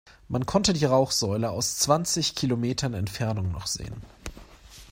Man konnte die Rauchsäule aus zwanzig Kilometern Entfernung noch sehen.